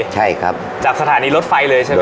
จากสถานีรถไฟเลยใช่ไหมครับ